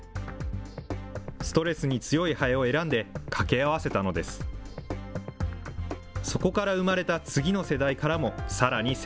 ストレスに強いハエを選んで、掛け合わせたのです。